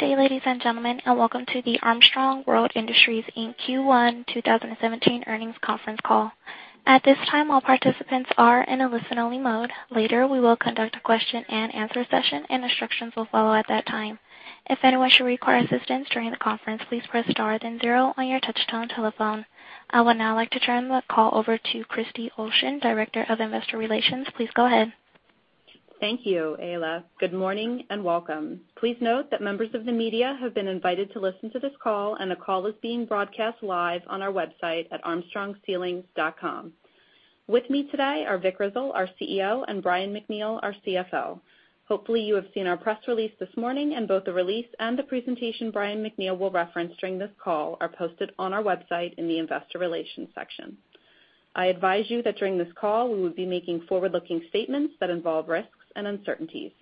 Good day, ladies and gentlemen, and welcome to the Armstrong World Industries Inc. Q1 2017 earnings conference call. At this time, all participants are in a listen-only mode. Later, we will conduct a question and answer session, and instructions will follow at that time. If anyone should require assistance during the conference, please press star then zero on your touch-tone telephone. I would now like to turn the call over to Kristy Olshan, Director of Investor Relations. Please go ahead. Thank you, Ayla. Good morning and welcome. Please note that members of the media have been invited to listen to this call, and the call is being broadcast live on our website at armstrongceilings.com. With me today are Vic Grizzle, our CEO, and Brian MacNeal, our CFO. Hopefully, you have seen our press release this morning, and both the release and the presentation Brian MacNeal will reference during this call are posted on our website in the investor relations section. I advise you that during this call, we will be making forward-looking statements that involve risks and uncertainties.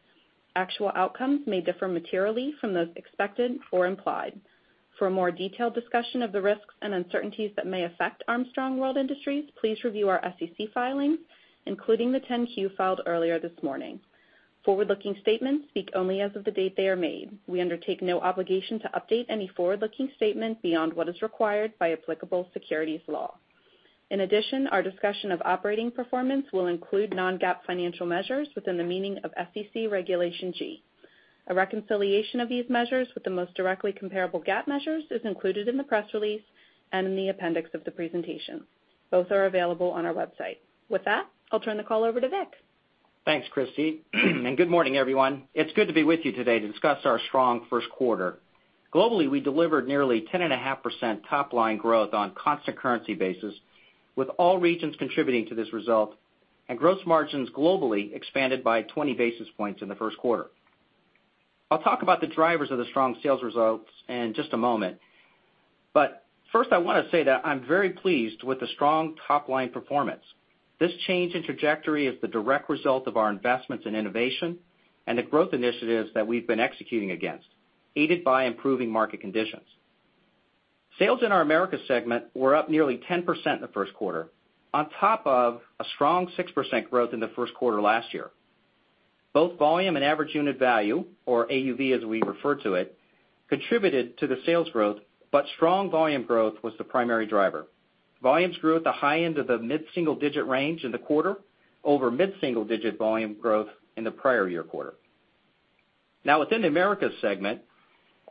Actual outcomes may differ materially from those expected or implied. For a more detailed discussion of the risks and uncertainties that may affect Armstrong World Industries, please review our SEC filings, including the 10-Q filed earlier this morning. Forward-looking statements speak only as of the date they are made. We undertake no obligation to update any forward-looking statement beyond what is required by applicable securities law. In addition, our discussion of operating performance will include non-GAAP financial measures within the meaning of SEC Regulation G. A reconciliation of these measures with the most directly comparable GAAP measures is included in the press release and in the appendix of the presentation. Both are available on our website. With that, I'll turn the call over to Vic. Thanks, Kristy, good morning, everyone. It's good to be with you today to discuss our strong first quarter. Globally, we delivered nearly 10.5% top-line growth on constant currency basis, with all regions contributing to this result, and gross margins globally expanded by 20 basis points in the first quarter. I'll talk about the drivers of the strong sales results in just a moment. First, I want to say that I'm very pleased with the strong top-line performance. This change in trajectory is the direct result of our investments in innovation and the growth initiatives that we've been executing against, aided by improving market conditions. Sales in our America segment were up nearly 10% in the first quarter, on top of a strong 6% growth in the first quarter last year. Both volume and average unit value, or AUV as we refer to it, contributed to the sales growth, but strong volume growth was the primary driver. Volumes grew at the high end of the mid-single-digit range in the quarter over mid-single-digit volume growth in the prior year quarter. Within the Americas segment,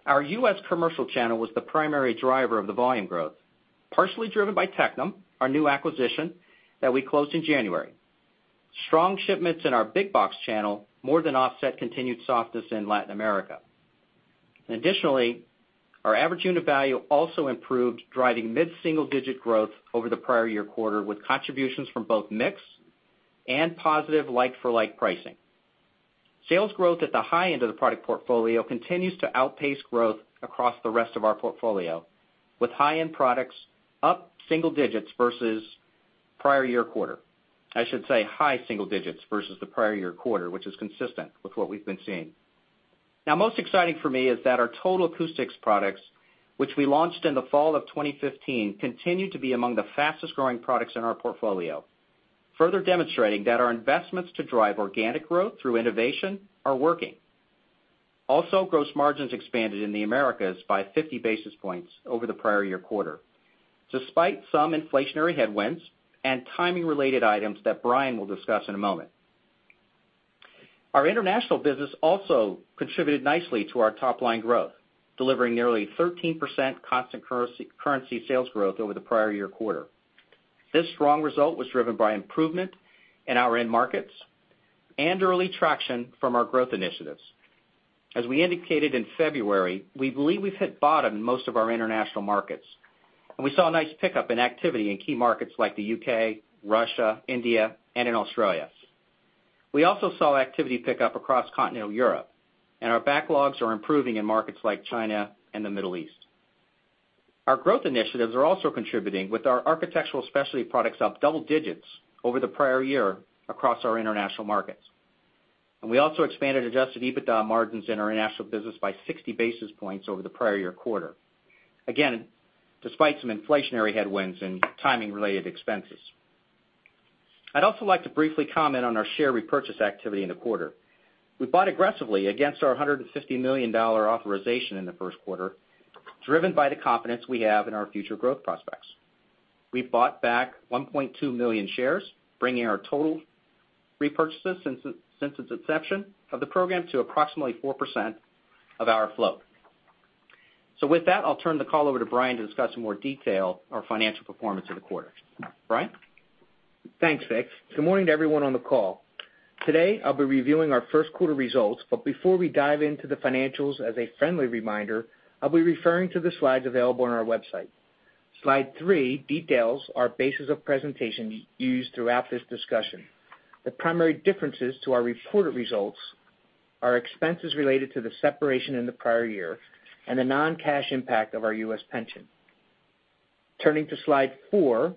our U.S. commercial channel was the primary driver of the volume growth, partially driven by Tectum, our new acquisition that we closed in January. Strong shipments in our big box channel more than offset continued softness in Latin America. Additionally, our average unit value also improved, driving mid-single-digit growth over the prior year quarter, with contributions from both mix and positive like-for-like pricing. Sales growth at the high end of the product portfolio continues to outpace growth across the rest of our portfolio, with high-end products up single digits versus prior year quarter. I should say high single digits versus the prior year quarter, which is consistent with what we've been seeing. Most exciting for me is that our Total Acoustics products, which we launched in the fall of 2015, continue to be among the fastest-growing products in our portfolio, further demonstrating that our investments to drive organic growth through innovation are working. Also, gross margins expanded in the Americas by 50 basis points over the prior year quarter, despite some inflationary headwinds and timing-related items that Brian will discuss in a moment. Our international business also contributed nicely to our top-line growth, delivering nearly 13% constant currency sales growth over the prior year quarter. This strong result was driven by improvement in our end markets and early traction from our growth initiatives. As we indicated in February, we believe we've hit bottom in most of our international markets, and we saw a nice pickup in activity in key markets like the U.K., Russia, India, and in Australia. We also saw activity pick up across continental Europe, and our backlogs are improving in markets like China and the Middle East. Our growth initiatives are also contributing with our Architectural Specialties products up double digits over the prior year across our international markets. We also expanded adjusted EBITDA margins in our international business by 60 basis points over the prior year quarter. Again, despite some inflationary headwinds and timing-related expenses. I'd also like to briefly comment on our share repurchase activity in the quarter. We bought aggressively against our $150 million authorization in the first quarter, driven by the confidence we have in our future growth prospects. We bought back 1.2 million shares, bringing our total repurchases since its inception of the program to approximately 4% of our float. With that, I'll turn the call over to Brian to discuss in more detail our financial performance for the quarter. Brian? Thanks, Vic. Good morning to everyone on the call. Today, I'll be reviewing our first quarter results. Before we dive into the financials, as a friendly reminder, I'll be referring to the slides available on our website. Slide three details our basis of presentation used throughout this discussion. The primary differences to our reported results are expenses related to the separation in the prior year and the non-cash impact of our U.S. pension. Turning to slide four,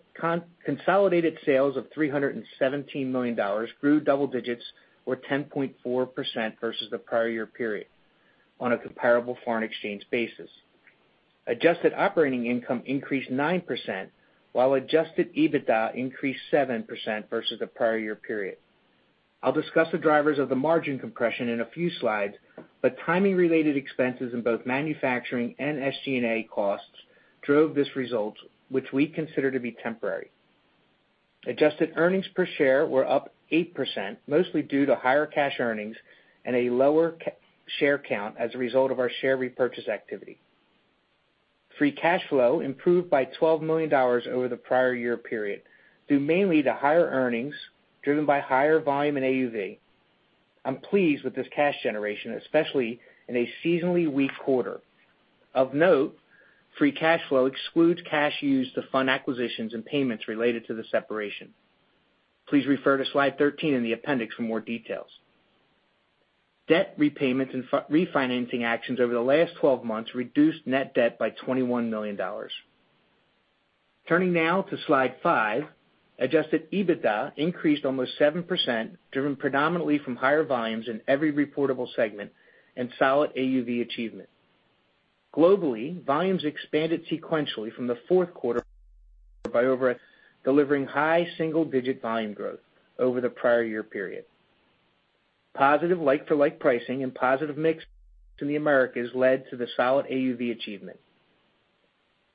consolidated sales of $317 million grew double digits or 10.4% versus the prior year period on a comparable foreign exchange basis. Adjusted operating income increased 9%, while adjusted EBITDA increased 7% versus the prior year period. I'll discuss the drivers of the margin compression in a few slides. Timing related expenses in both manufacturing and SG&A costs drove this result, which we consider to be temporary. Adjusted earnings per share were up 8%, mostly due to higher cash earnings and a lower share count as a result of our share repurchase activity. Free cash flow improved by $12 million over the prior year period, due mainly to higher earnings driven by higher volume in AUV. I'm pleased with this cash generation, especially in a seasonally weak quarter. Of note, free cash flow excludes cash used to fund acquisitions and payments related to the separation. Please refer to Slide 13 in the appendix for more details. Debt repayments and refinancing actions over the last 12 months reduced net debt by $21 million. Turning now to Slide five. Adjusted EBITDA increased almost 7%, driven predominantly from higher volumes in every reportable segment and solid AUV achievement. Globally, volumes expanded sequentially from the fourth quarter by over delivering high single-digit volume growth over the prior year period. Positive like-for-like pricing and positive mix in the Americas led to the solid AUV achievement.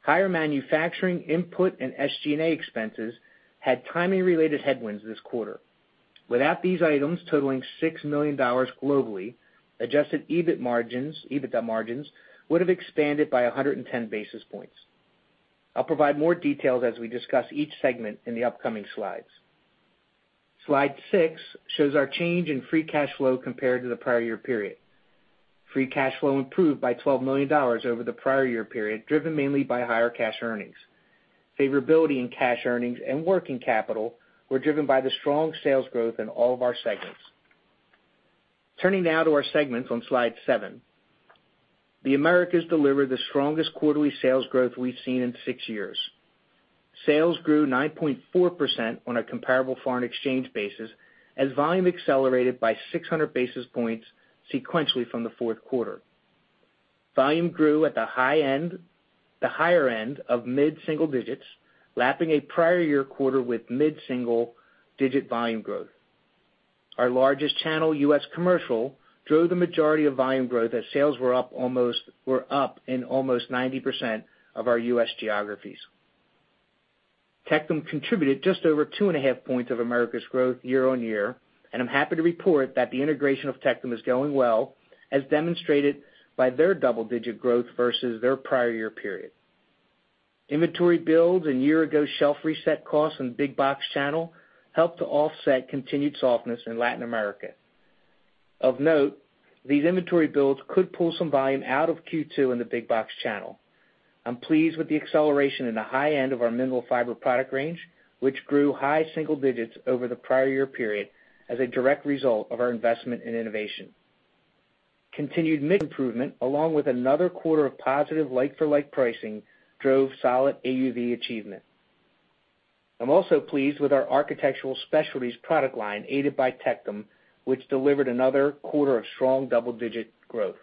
Higher manufacturing input and SG&A expenses had timing related headwinds this quarter. Without these items totaling $6 million globally, adjusted EBITDA margins would have expanded by 110 basis points. I'll provide more details as we discuss each segment in the upcoming slides. Slide six shows our change in free cash flow compared to the prior year period. Free cash flow improved by $12 million over the prior year period, driven mainly by higher cash earnings. Favorability in cash earnings and working capital were driven by the strong sales growth in all of our segments. Turning now to our segments on Slide seven. The Americas delivered the strongest quarterly sales growth we've seen in six years. Sales grew 9.4% on a comparable foreign exchange basis, as volume accelerated by 600 basis points sequentially from the fourth quarter. Volume grew at the higher end of mid single-digits, lapping a prior year quarter with mid single-digit volume growth. Our largest channel, U.S. commercial, drove the majority of volume growth as sales were up in almost 90% of our U.S. geographies. Tectum contributed just over two and a half points of Americas' growth year on year, and I'm happy to report that the integration of Tectum is going well, as demonstrated by their double-digit growth versus their prior year period. Inventory builds and year-ago shelf reset costs in the big box channel helped to offset continued softness in Latin America. Of note, these inventory builds could pull some volume out of Q2 in the big box channel. I'm pleased with the acceleration in the high end of our Mineral Fiber product range, which grew high single digits over the prior year period as a direct result of our investment in innovation. Continued mid improvement, along with another quarter of positive like-for-like pricing, drove solid AUV achievement. I'm also pleased with our Architectural Specialties product line, aided by Tectum, which delivered another quarter of strong double-digit growth.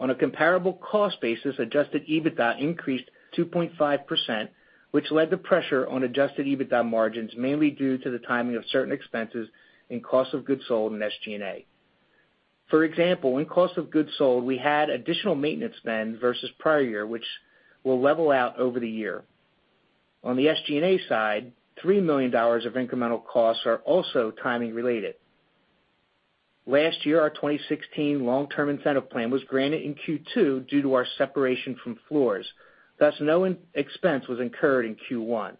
On a comparable cost basis, adjusted EBITDA increased 2.5%, which led to pressure on adjusted EBITDA margins, mainly due to the timing of certain expenses in cost of goods sold and SG&A. For example, in cost of goods sold, we had additional maintenance spend versus prior year, which will level out over the year. On the SG&A side, $3 million of incremental costs are also timing related. Last year, our 2016 long-term incentive plan was granted in Q2 due to our separation from floors. Thus, no expense was incurred in Q1.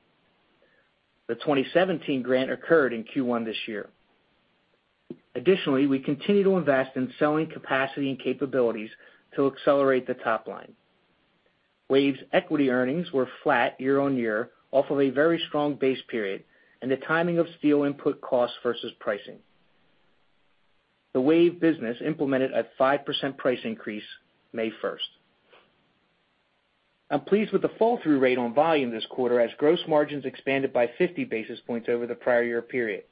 The 2017 grant occurred in Q1 this year. Additionally, we continue to invest in selling capacity and capabilities to accelerate the top line. WAVE's equity earnings were flat year-on-year off of a very strong base period and the timing of steel input costs versus pricing. The WAVE business implemented a 5% price increase May 1st. I'm pleased with the fall-through rate on volume this quarter, as gross margins expanded by 50 basis points over the prior year period.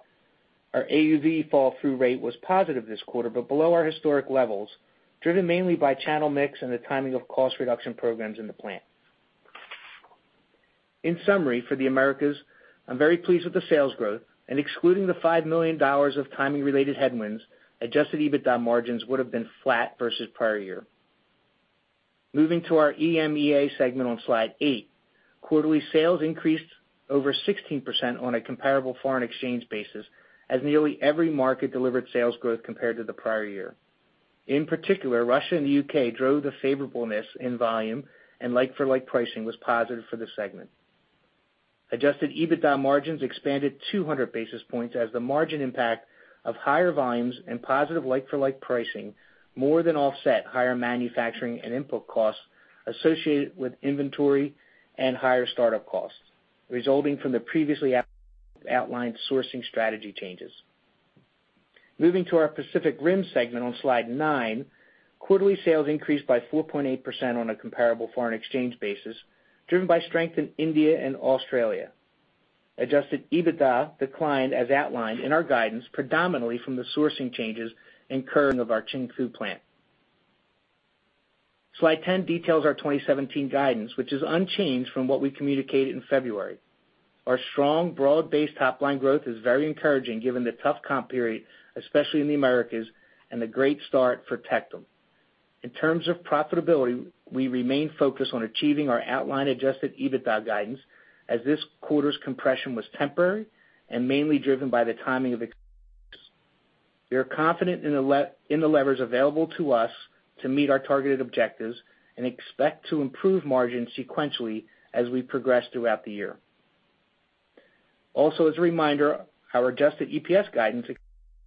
Our AUV fall-through rate was positive this quarter, below our historic levels, driven mainly by channel mix and the timing of cost reduction programs in the plant. In summary, for the Americas, I'm very pleased with the sales growth. Excluding the $5 million of timing related headwinds, adjusted EBITDA margins would have been flat versus prior year. Moving to our EMEA segment on Slide 8. Quarterly sales increased over 16% on a comparable foreign exchange basis, nearly every market delivered sales growth compared to the prior year. In particular, Russia and the U.K. drove the favorableness in volume, and like-for-like pricing was positive for the segment. Adjusted EBITDA margins expanded 200 basis points as the margin impact of higher volumes and positive like-for-like pricing more than offset higher manufacturing and input costs associated with inventory and higher startup costs resulting from the previously outlined sourcing strategy changes. Moving to our Pacific Rim segment on Slide 9. Quarterly sales increased by 4.8% on a comparable foreign exchange basis, driven by strength in India and Australia. Adjusted EBITDA declined as outlined in our guidance predominantly from the sourcing changes incurred of our Qingpu plant. Slide 10 details our 2017 guidance, which is unchanged from what we communicated in February. Our strong, broad-based top-line growth is very encouraging given the tough comp period, especially in the Americas, and the great start for Tectum. In terms of profitability, we remain focused on achieving our outlined adjusted EBITDA guidance, this quarter's compression was temporary and mainly driven by the timing of. We are confident in the levers available to us to meet our targeted objectives and expect to improve margins sequentially as we progress throughout the year. As a reminder, our adjusted EPS guidance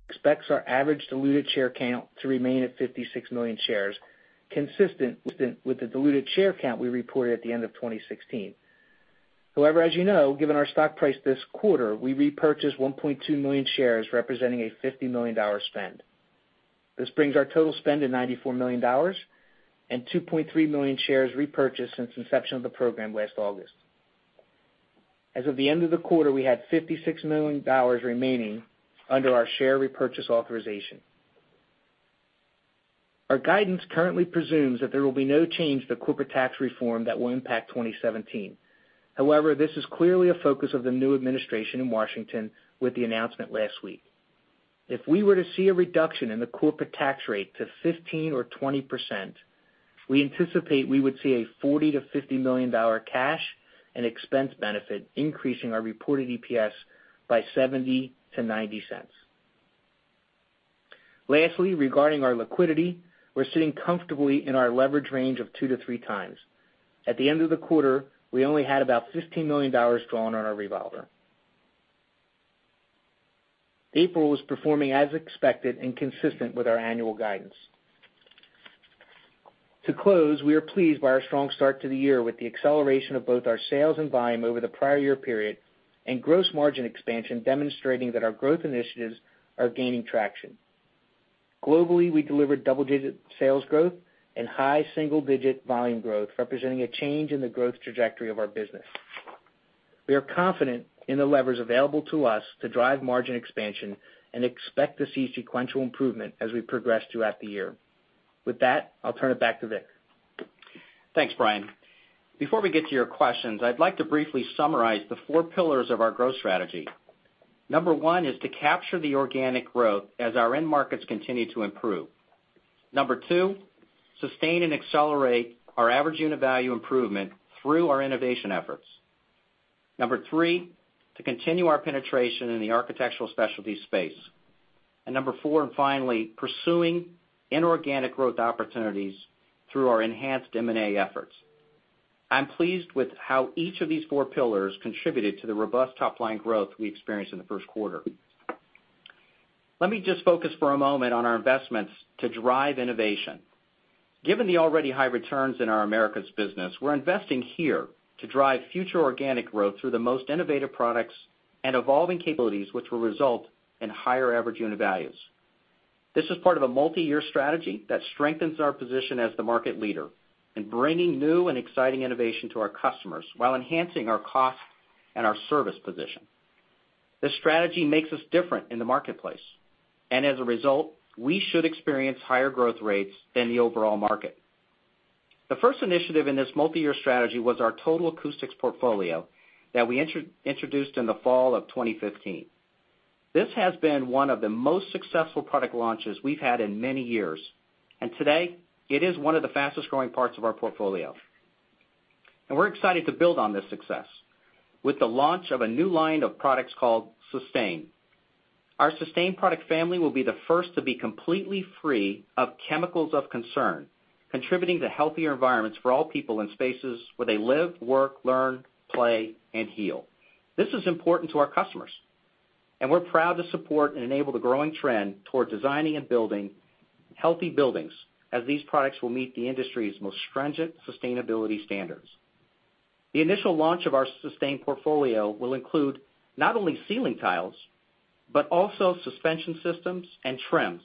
expects our average diluted share count to remain at 56 million shares, consistent with the diluted share count we reported at the end of 2016. However, as you know, given our stock price this quarter, we repurchased 1.2 million shares, representing a $50 million spend. This brings our total spend to $94 million and 2.3 million shares repurchased since inception of the program last August. As of the end of the quarter, we had $56 million remaining under our share repurchase authorization. Our guidance currently presumes that there will be no change to corporate tax reform that will impact 2017. However, this is clearly a focus of the new administration in Washington with the announcement last week. If we were to see a reduction in the corporate tax rate to 15% or 20%, we anticipate we would see a $40 million to $50 million cash and expense benefit, increasing our reported EPS by $0.70 to $0.90. Lastly, regarding our liquidity, we are sitting comfortably in our leverage range of two to three times. At the end of the quarter, we only had about $15 million drawn on our revolver. April was performing as expected and consistent with our annual guidance. To close, we are pleased by our strong start to the year with the acceleration of both our sales and volume over the prior year period, and gross margin expansion demonstrating that our growth initiatives are gaining traction. Globally, we delivered double-digit sales growth and high single-digit volume growth, representing a change in the growth trajectory of our business. We are confident in the levers available to us to drive margin expansion and expect to see sequential improvement as we progress throughout the year. With that, I will turn it back to Vic. Thanks, Brian. Before we get to your questions, I would like to briefly summarize the four pillars of our growth strategy. Number one is to capture the organic growth as our end markets continue to improve. Number two, sustain and accelerate our average unit value improvement through our innovation efforts. Number three, to continue our penetration in the Architectural Specialties space. And number four, and finally, pursuing inorganic growth opportunities through our enhanced M&A efforts. I am pleased with how each of these four pillars contributed to the robust top-line growth we experienced in the first quarter. Let me just focus for a moment on our investments to drive innovation. Given the already high returns in our Americas business, we are investing here to drive future organic growth through the most innovative products and evolving capabilities, which will result in higher average unit values. This is part of a multi-year strategy that strengthens our position as the market leader in bringing new and exciting innovation to our customers while enhancing our cost and our service position. This strategy makes us different in the marketplace. As a result, we should experience higher growth rates than the overall market. The first initiative in this multi-year strategy was our Total Acoustics portfolio that we introduced in the fall of 2015. This has been one of the most successful product launches we've had in many years. Today, it is one of the fastest-growing parts of our portfolio. We're excited to build on this success with the launch of a new line of products called Sustain. Our Sustain product family will be the first to be completely free of chemicals of concern, contributing to healthier environments for all people in spaces where they live, work, learn, play, and heal. This is important to our customers, and we're proud to support and enable the growing trend toward designing and building healthy buildings as these products will meet the industry's most stringent sustainability standards. The initial launch of our Sustain portfolio will include not only ceiling tiles, but also suspension systems and trims.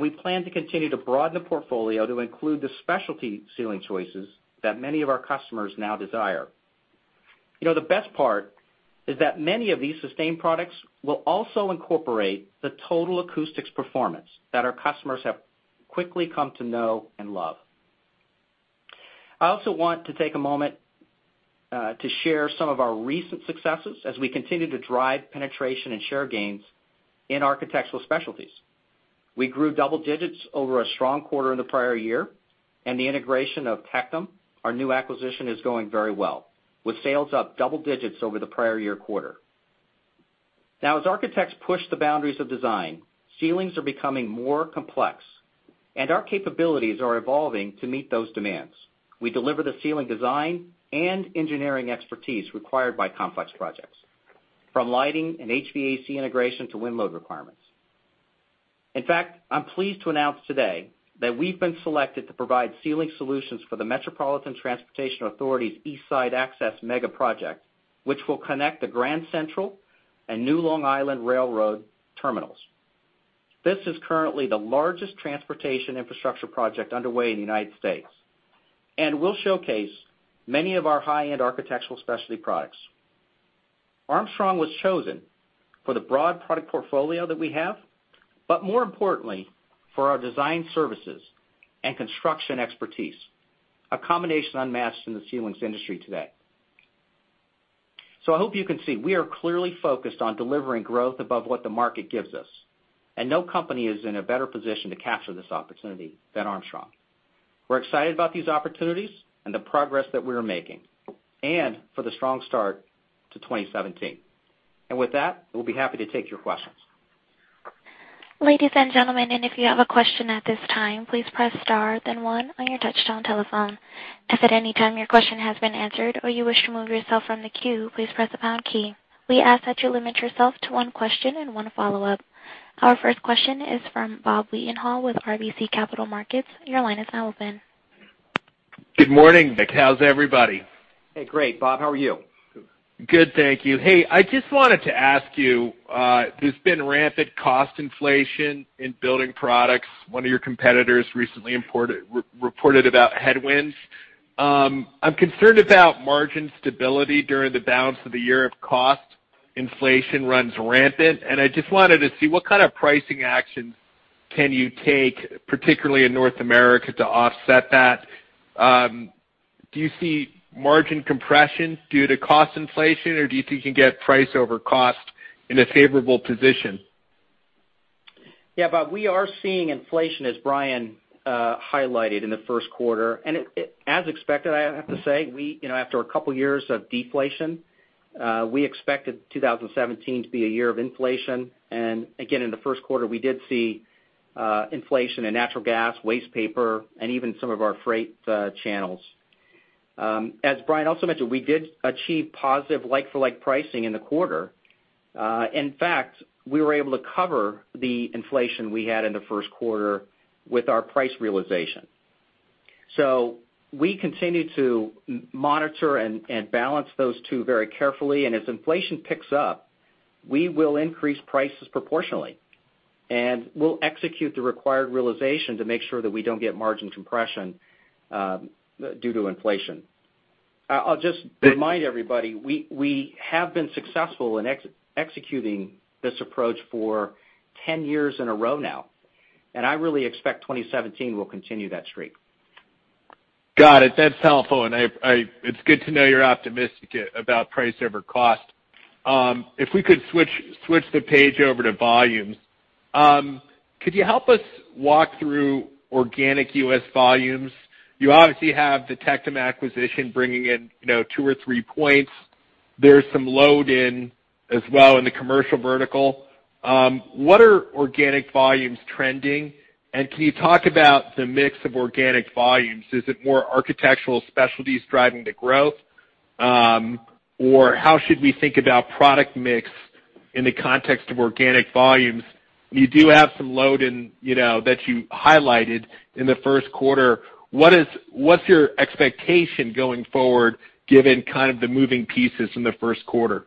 We plan to continue to broaden the portfolio to include the specialty ceiling choices that many of our customers now desire. The best part is that many of these Sustain products will also incorporate the Total Acoustics performance that our customers have quickly come to know and love. I also want to take a moment to share some of our recent successes as we continue to drive penetration and share gains in Architectural Specialties. We grew double digits over a strong quarter in the prior year, and the integration of Tectum, our new acquisition, is going very well, with sales up double digits over the prior year quarter. As architects push the boundaries of design, ceilings are becoming more complex, and our capabilities are evolving to meet those demands. We deliver the ceiling design and engineering expertise required by complex projects, from lighting and HVAC integration to wind load requirements. In fact, I'm pleased to announce today that we've been selected to provide ceiling solutions for the Metropolitan Transportation Authority's East Side Access mega project, which will connect the Grand Central and Long Island Rail Road terminals. This is currently the largest transportation infrastructure project underway in the U.S. and will showcase many of our high-end Architectural Specialty products. Armstrong was chosen for the broad product portfolio that we have, but more importantly, for our design services and construction expertise, a combination unmatched in the ceilings industry today. I hope you can see, we are clearly focused on delivering growth above what the market gives us, and no company is in a better position to capture this opportunity than Armstrong. We're excited about these opportunities and the progress that we are making, and for the strong start to 2017. With that, we'll be happy to take your questions. Ladies and gentlemen, if you have a question at this time, please press star then one on your touchtone telephone. If at any time your question has been answered or you wish to remove yourself from the queue, please press the pound key. We ask that you limit yourself to one question and one follow-up. Our first question is from Bob Wetenhall with RBC Capital Markets. Your line is now open. Good morning, Vic. How's everybody? Hey, great, Bob. How are you? Good, thank you. Hey, I just wanted to ask you, there's been rampant cost inflation in building products. One of your competitors recently reported about headwinds. I'm concerned about margin stability during the balance of the year if cost inflation runs rampant. I just wanted to see what kind of pricing actions can you take, particularly in North America, to offset that. Do you see margin compression due to cost inflation, or do you think you can get price over cost in a favorable position? Yeah, Bob, we are seeing inflation, as Brian highlighted, in the first quarter. As expected, I have to say, after a couple of years of deflation, we expected 2017 to be a year of inflation. Again, in the first quarter, we did see inflation in natural gas, waste paper, and even some of our freight channels. As Brian also mentioned, we did achieve positive like-for-like pricing in the quarter. In fact, we were able to cover the inflation we had in the first quarter with our price realization. We continue to monitor and balance those two very carefully, and as inflation picks up, we will increase prices proportionally, and we'll execute the required realization to make sure that we don't get margin compression due to inflation. I'll just remind everybody, we have been successful in executing this approach for 10 years in a row now, and I really expect 2017 will continue that streak. Got it. That's helpful, and it's good to know you're optimistic about price over cost. If we could switch the page over to volumes. Could you help us walk through organic U.S. volumes? You obviously have the Tectum acquisition bringing in two or three points. There's some load in as well in the commercial vertical. What are organic volumes trending, and can you talk about the mix of organic volumes? Is it more Architectural Specialties driving the growth? Or how should we think about product mix in the context of organic volumes? You do have some load in that you highlighted in the first quarter. What's your expectation going forward given kind of the moving pieces from the first quarter?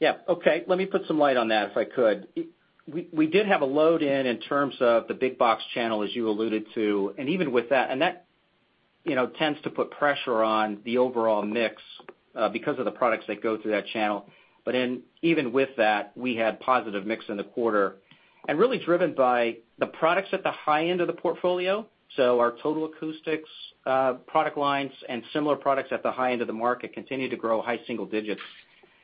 Yeah. Okay. Let me put some light on that, if I could. We did have a load in terms of the big box channel, as you alluded to, and even with that, and that tends to put pressure on the overall mix because of the products that go through that channel. Even with that, we had positive mix in the quarter and really driven by the products at the high end of the portfolio. Our Total Acoustics product lines and similar products at the high end of the market continue to grow high single digits.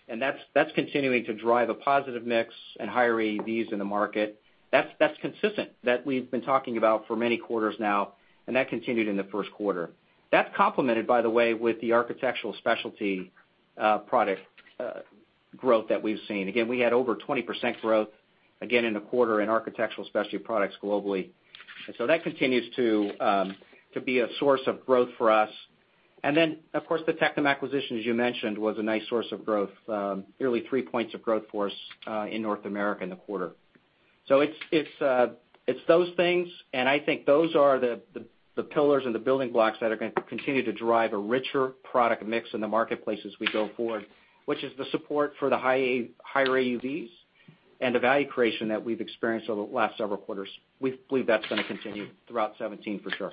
That's continuing to drive a positive mix and higher AUVs in the market. That's consistent, that we've been talking about for many quarters now, and that continued in the first quarter. That's complemented, by the way, with the Architectural Specialties product growth that we've seen. We had over 20% growth, again, in the quarter in Architectural Specialties globally. That continues to be a source of growth for us. Of course, the Tectum acquisition, as you mentioned, was a nice source of growth, nearly three points of growth for us in North America in the quarter. It's those things, and I think those are the pillars and the building blocks that are going to continue to drive a richer product mix in the marketplace as we go forward, which is the support for the higher AUVs and the value creation that we've experienced over the last several quarters. We believe that's going to continue throughout 2017 for sure.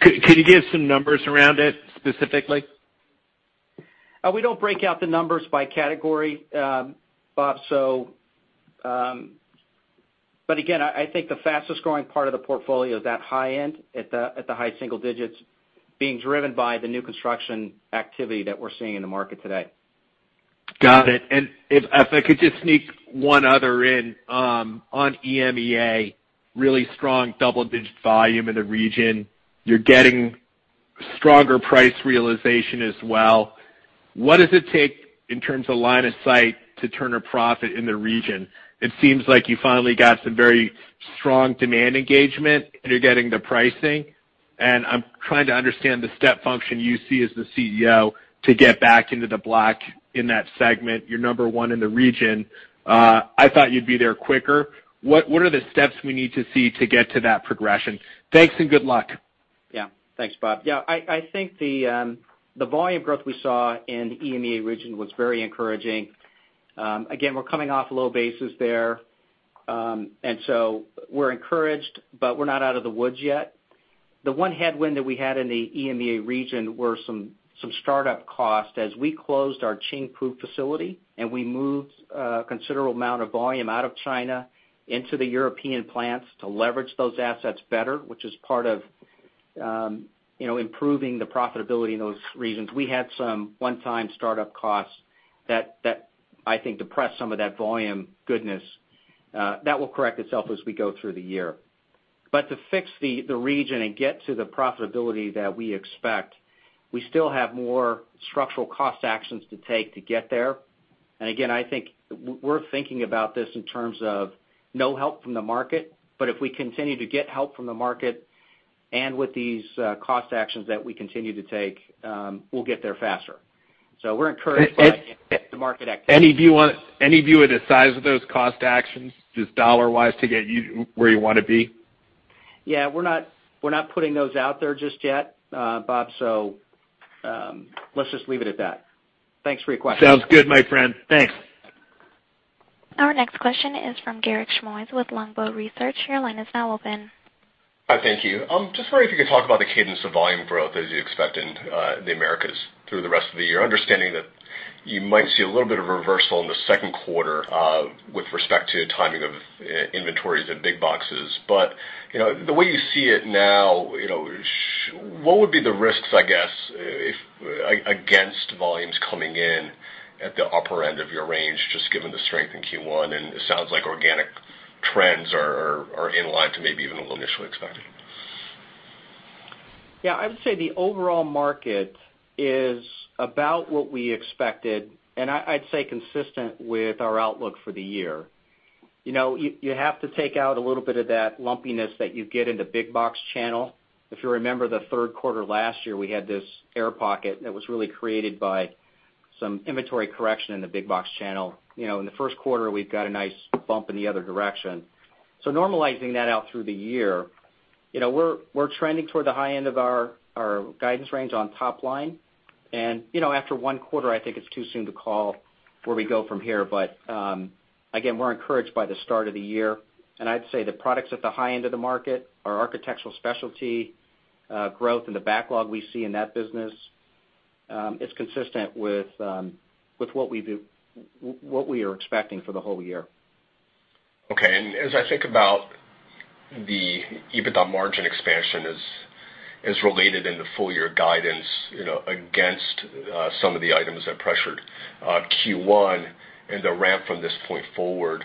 Could you give some numbers around it specifically? We don't break out the numbers by category, Bob. Again, I think the fastest-growing part of the portfolio is that high end at the high single digits being driven by the new construction activity that we're seeing in the market today. Got it. If I could just sneak one other in on EMEA, really strong double-digit volume in the region. You're getting stronger price realization as well. What does it take in terms of line of sight to turn a profit in the region? It seems like you finally got some very strong demand engagement, and you're getting the pricing, and I'm trying to understand the step function you see as the CEO to get back into the black in that segment. You're number one in the region. I thought you'd be there quicker. What are the steps we need to see to get to that progression? Thanks, and good luck. Thanks, Bob. I think the volume growth we saw in the EMEA region was very encouraging. Again, we're coming off low bases there. We're encouraged, but we're not out of the woods yet. The one headwind that we had in the EMEA region were some startup costs as we closed our Qingpu facility. We moved a considerable amount of volume out of China into the European plants to leverage those assets better, which is part of improving the profitability in those regions. We had some one-time startup costs that I think depressed some of that volume goodness. That will correct itself as we go through the year. To fix the region and get to the profitability that we expect, we still have more structural cost actions to take to get there. Again, I think we're thinking about this in terms of no help from the market, but if we continue to get help from the market and with these cost actions that we continue to take, we'll get there faster. We're encouraged by the market activity. Any view of the size of those cost actions, just dollar-wise, to get you where you want to be? We're not putting those out there just yet, Bob. Let's just leave it at that. Thanks for your question. Sounds good, my friend. Thanks. Our next question is from Garrett Schmoyes with Longbow Securities. Your line is now open. Hi, thank you. Just wondering if you could talk about the cadence of volume growth as you expect in the Americas through the rest of the year, understanding that you might see a little bit of a reversal in the second quarter with respect to timing of inventories in big boxes. The way you see it now, what would be the risks, I guess, against volumes coming in at the upper end of your range, just given the strength in Q1? It sounds like organic trends are in line to maybe even a little initially expected. Yeah, I would say the overall market is about what we expected, and I'd say consistent with our outlook for the year. You have to take out a little bit of that lumpiness that you get in the big box channel. If you remember the third quarter last year, we had this air pocket that was really created by some inventory correction in the big box channel. In the first quarter, we've got a nice bump in the other direction. Normalizing that out through the year, we're trending toward the high end of our guidance range on top line. After one quarter, I think it's too soon to call where we go from here. Again, we're encouraged by the start of the year. I'd say the products at the high end of the market are Architectural Specialties growth and the backlog we see in that business is consistent with what we are expecting for the whole year. Okay. As I think about the EBITDA margin expansion as related in the full-year guidance against some of the items that pressured Q1 and the ramp from this point forward,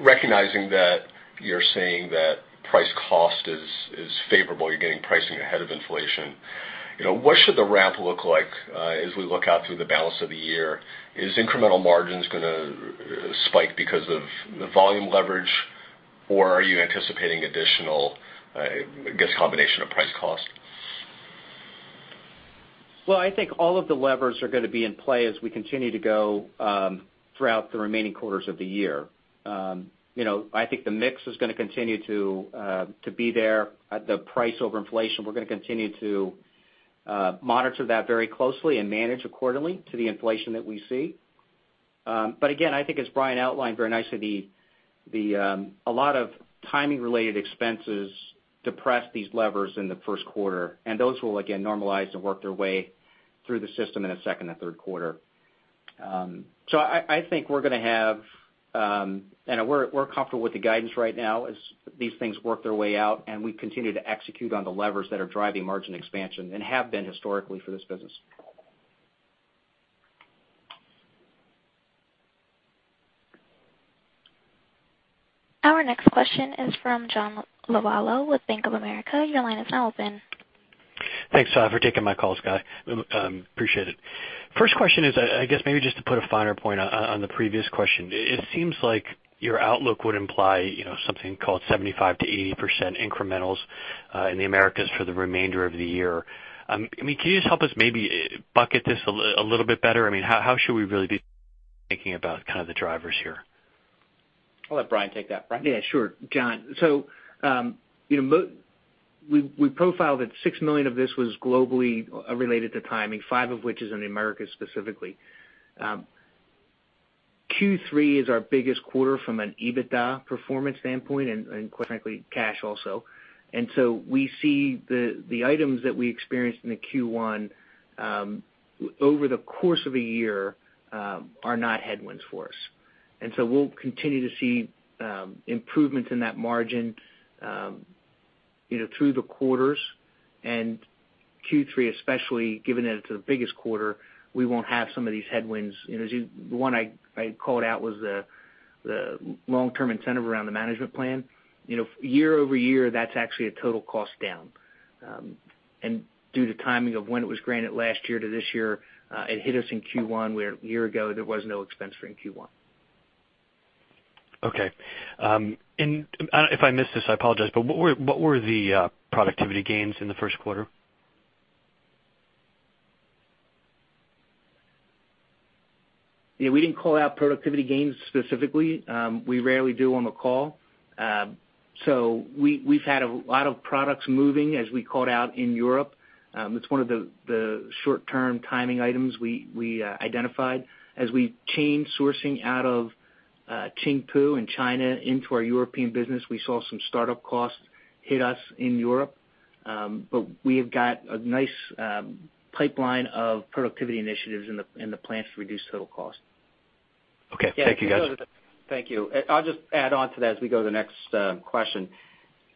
recognizing that you're saying that price cost is favorable, you're getting pricing ahead of inflation. What should the ramp look like as we look out through the balance of the year? Is incremental margins going to spike because of the volume leverage, or are you anticipating additional, I guess, combination of price cost? Well, I think all of the levers are going to be in play as we continue to go throughout the remaining quarters of the year. I think the mix is going to continue to be there at the price over inflation. We're going to continue to monitor that very closely and manage accordingly to the inflation that we see. Again, I think as Brian outlined very nicely, a lot of timing-related expenses depressed these levers in the first quarter, and those will, again, normalize and work their way through the system in the second and third quarter. I think we're comfortable with the guidance right now as these things work their way out, and we continue to execute on the levers that are driving margin expansion and have been historically for this business. Our next question is from John Lovallo with Bank of America. Your line is now open. Thanks for taking my call, Scott. Appreciate it. First question is, I guess maybe just to put a finer point on the previous question. It seems like your outlook would imply something called 75%-80% incrementals in the Americas for the remainder of the year. Can you just help us maybe bucket this a little bit better? How should we really be thinking about the drivers here? I'll let Brian take that. Brian? Yeah, sure. John, we profiled that $6 million of this was globally related to timing, 5 of which is in the Americas specifically. Q3 is our biggest quarter from an EBITDA performance standpoint and quite frankly, cash also. We see the items that we experienced in the Q1 over the course of a year are not headwinds for us. We'll continue to see improvements in that margin through the quarters. Q3 especially, given that it's the biggest quarter, we won't have some of these headwinds. The one I called out was the long-term incentive around the management plan. year-over-year, that's actually a total cost down. Due to timing of when it was granted last year to this year, it hit us in Q1 where a year ago there was no expense during Q1. Okay. If I missed this, I apologize, what were the productivity gains in the first quarter? Yeah, we didn't call out productivity gains specifically. We rarely do on the call. We've had a lot of products moving, as we called out in Europe. It's one of the short-term timing items we identified. As we changed sourcing out of Qingpu in China into our European business, we saw some startup costs hit us in Europe. We have got a nice pipeline of productivity initiatives in the plants to reduce total cost. Okay. Thank you, guys. Thank you. I'll just add on to that as we go to the next question.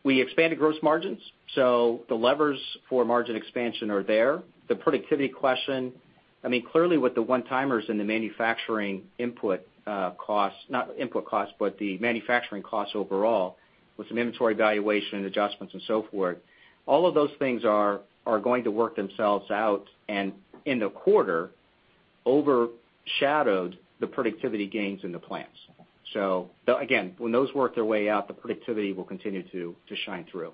We expanded gross margins, the levers for margin expansion are there. The productivity question, clearly with the one-timers in the manufacturing input costs, not input costs, but the manufacturing costs overall, with some inventory valuation and adjustments and so forth, all of those things are going to work themselves out, in the quarter, overshadowed the productivity gains in the plants. Again, when those work their way out, the productivity will continue to shine through.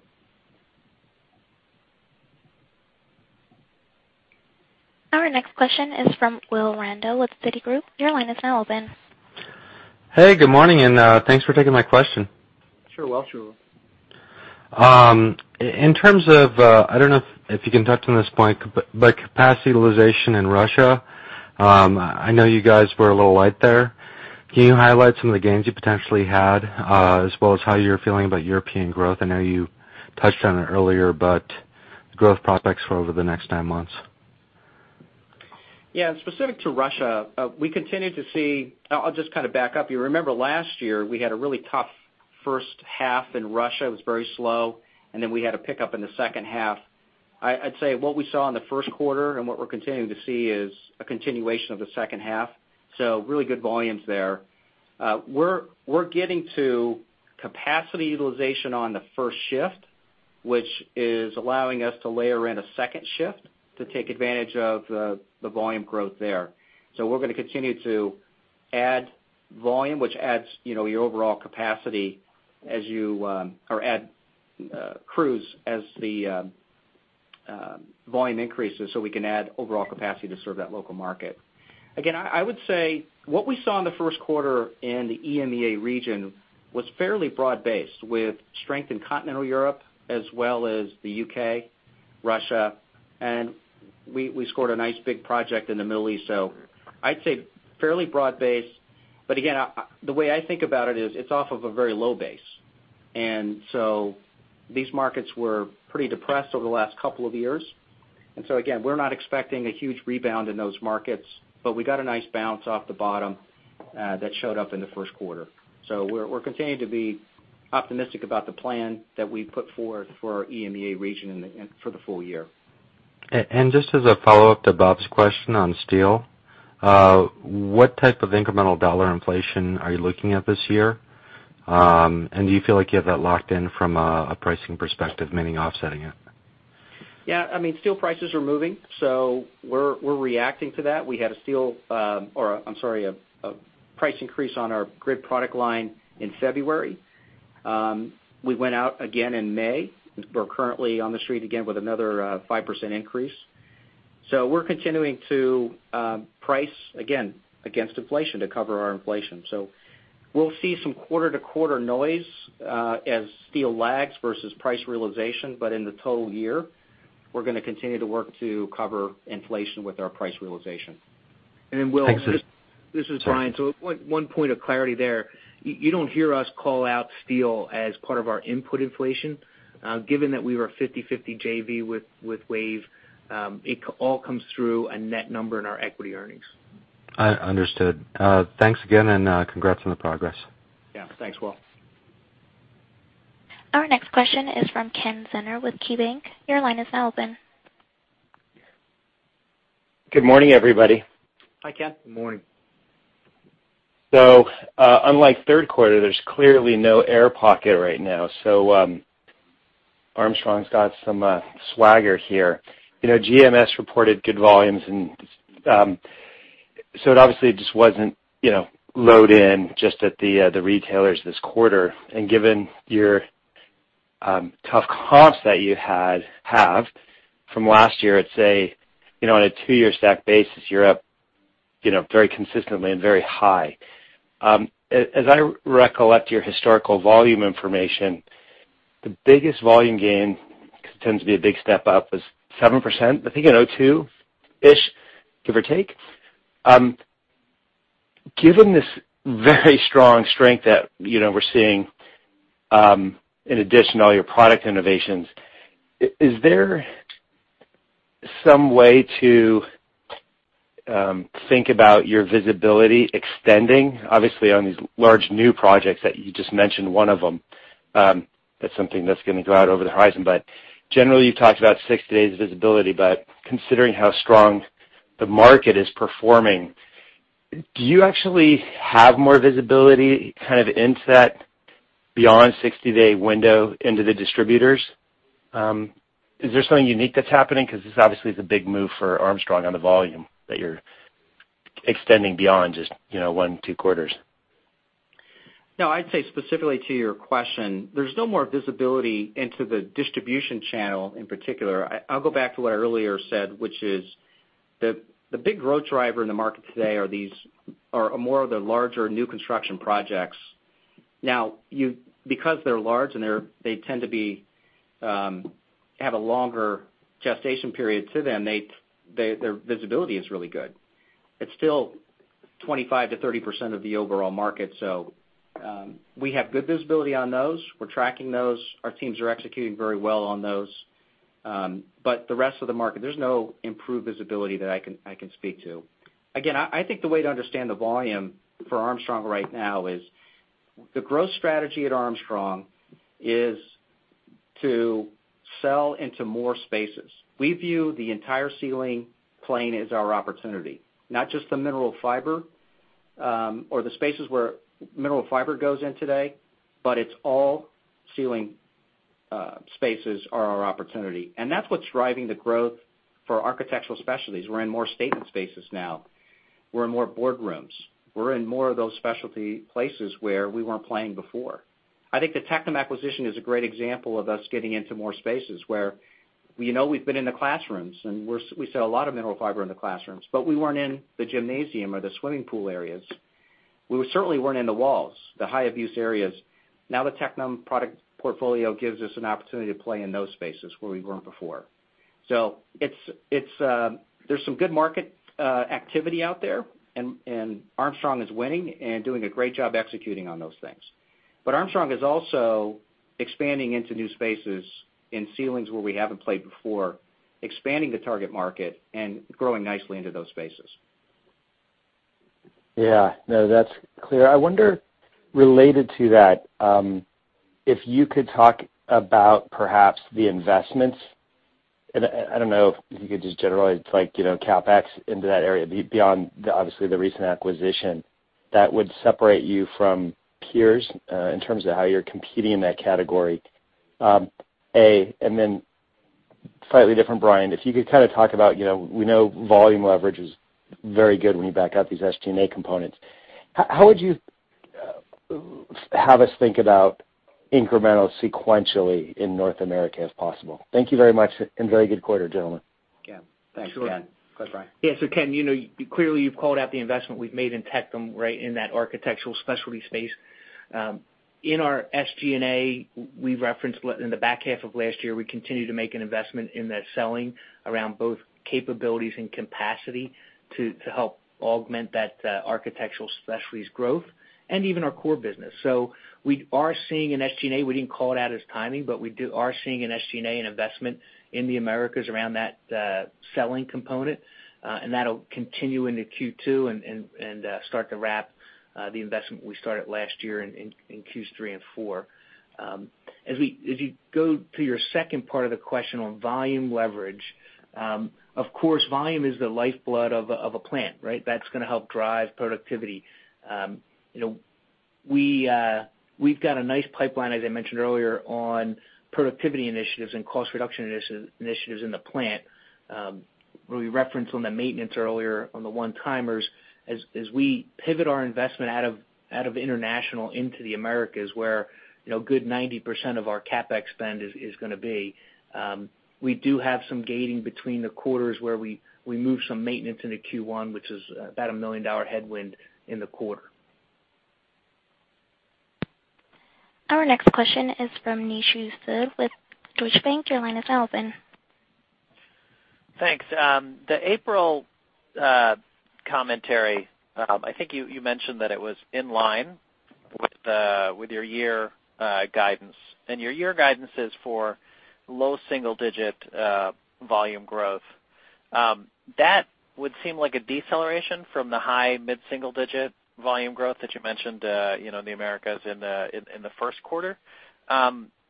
Our next question is from Will Rando with Citigroup. Your line is now open. Good morning, thanks for taking my question. Sure. Welcome. In terms of, I don't know if you can touch on this point, but capacity utilization in Russia, I know you guys were a little light there. Can you highlight some of the gains you potentially had, as well as how you're feeling about European growth? I know you touched on it earlier, but growth prospects for over the next nine months. Yeah. Specific to Russia. I'll just kind of back up. You remember last year, we had a really tough first half in Russia. It was very slow, then we had a pickup in the second half. I'd say what we saw in the first quarter and what we're continuing to see is a continuation of the second half. Really good volumes there. We're getting to capacity utilization on the first shift, which is allowing us to layer in a second shift to take advantage of the volume growth there. We're going to continue to add volume, which adds your overall capacity or add crews as the volume increases, so we can add overall capacity to serve that local market. I would say what we saw in the first quarter in the EMEA region was fairly broad-based, with strength in continental Europe as well as the U.K., Russia, and we scored a nice big project in the Middle East. I'd say fairly broad-based, but again, the way I think about it is, it's off of a very low base. These markets were pretty depressed over the last couple of years. Again, we're not expecting a huge rebound in those markets, but we got a nice bounce off the bottom that showed up in the first quarter. We're continuing to be optimistic about the plan that we put forth for our EMEA region for the full year. Just as a follow-up to Bob's question on steel, what type of incremental dollar inflation are you looking at this year? Do you feel like you have that locked in from a pricing perspective, meaning offsetting it? Yeah. Steel prices are moving, we're reacting to that. We had a price increase on our grid product line in February. We went out again in May. We're currently on the street again with another 5% increase. We're continuing to price, again, against inflation to cover our inflation. We'll see some quarter-to-quarter noise as steel lags versus price realization. In the total year, we're going to continue to work to cover inflation with our price realization. Thanks. Will, this is Brian. One point of clarity there. You don't hear us call out steel as part of our input inflation. Given that we are a 50/50 JV with WAVE, it all comes through a net number in our equity earnings. Understood. Thanks again, and congrats on the progress. Yeah. Thanks, Will. Our next question is from Kenneth Zener with KeyBanc. Your line is now open. Good morning, everybody. Hi, Ken. Good morning. Unlike third quarter, there's clearly no air pocket right now. Armstrong's got some swagger here. GMS reported good volumes, it obviously just wasn't load in just at the retailers this quarter. Given your tough comps that you have from last year, on a two-year stack basis, you're up very consistently and very high. As I recollect your historical volume information, the biggest volume gain tends to be a big step up is 7%, I think in 2002-ish, give or take. Given this very strong strength that we're seeing in addition to all your product innovations, is there some way to think about your visibility extending? Obviously, on these large new projects that you just mentioned one of them, that's something that's going to go out over the horizon. Generally, you talked about 60 days of visibility, but considering how strong the market is performing, do you actually have more visibility into that beyond 60-day window into the distributors? Is there something unique that's happening? This obviously is a big move for Armstrong on the volume that you're extending beyond just one, two quarters. No, I'd say specifically to your question, there's no more visibility into the distribution channel in particular. I'll go back to what I earlier said, which is the big growth driver in the market today are more of the larger new construction projects. Because they're large and they tend to have a longer gestation period to them, their visibility is really good. It's still 25%-30% of the overall market. We have good visibility on those. We're tracking those. Our teams are executing very well on those. The rest of the market, there's no improved visibility that I can speak to. Again, I think the way to understand the volume for Armstrong right now is the growth strategy at Armstrong is to sell into more spaces. We view the entire ceiling plane as our opportunity, not just the Mineral Fiber, or the spaces where Mineral Fiber goes in today, but it's all ceiling spaces are our opportunity. That's what's driving the growth for Architectural Specialties. We're in more statement spaces now. We're in more boardrooms. We're in more of those specialty places where we weren't playing before. I think the Tectum acquisition is a great example of us getting into more spaces where we know we've been in the classrooms, and we sell a lot of Mineral Fiber in the classrooms, but we weren't in the gymnasium or the swimming pool areas. We certainly weren't in the walls, the high abuse areas. The Tectum product portfolio gives us an opportunity to play in those spaces where we weren't before. There's some good market activity out there, and Armstrong is winning and doing a great job executing on those things. Armstrong is also expanding into new spaces in ceilings where we haven't played before, expanding the target market and growing nicely into those spaces. No, that's clear. I wonder, related to that, if you could talk about perhaps the investments, and I don't know if you could just generalize, like CapEx into that area, beyond obviously the recent acquisition that would separate you from peers, in terms of how you're competing in that category. Slightly different, Brian, if you could kind of talk about, we know volume leverage is very good when you back out these SG&A components. How would you have us think about incremental sequentially in North America, if possible? Thank you very much and very good quarter, gentlemen. Yeah. Thanks, Ken. Go ahead, Brian. Yeah. Ken, clearly you've called out the investment we've made in Tectum, right, in that Architectural Specialties space. In our SG&A, we referenced in the back half of last year, we continue to make an investment in that selling around both capabilities and capacity to help augment that Architectural Specialties growth and even our core business. We are seeing an SG&A. We didn't call it out as timing, but we are seeing an SG&A, an investment in the Americas around that selling component. That'll continue into Q2 and start to wrap the investment we started last year in Q3 and 4. As you go to your second part of the question on volume leverage, of course, volume is the lifeblood of a plant, right? That's going to help drive productivity. We've got a nice pipeline, as I mentioned earlier, on productivity initiatives and cost reduction initiatives in the plant. Where we referenced on the maintenance earlier on the one-timers, as we pivot our investment out of international into the Americas, where good 90% of our CapEx spend is going to be. We do have some gating between the quarters where we move some maintenance into Q1, which is about a million-dollar headwind in the quarter. Our next question is from Nishu Sood with Deutsche Bank. Your line is now open. Thanks. The April commentary, I think you mentioned that it was in line with your year guidance. Your year guidance is for low single-digit volume growth. That would seem like a deceleration from the high mid-single-digit volume growth that you mentioned the Americas in the first quarter.